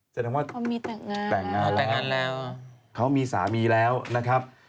จะนำว่าแต่งงานแล้วเขามีสามีแล้วนะครับ